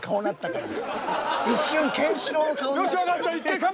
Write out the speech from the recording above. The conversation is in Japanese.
一瞬ケンシロウの顔に。